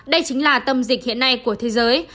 đây chính là tâm dịch hiện nay của thế giới